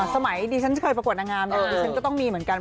สมัยดีฉันเคยประกวดนางงามแต่ว่าฉันก็ต้องมีเหมือนกัน